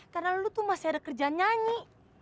karena lo tuh masih ada kerjaan nyanyi